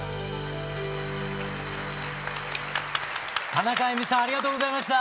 田中あいみさんありがとうございました。